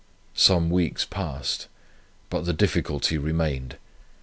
Some weeks passed, but the difficulty remained.